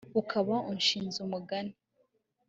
ukaba ushinze umugani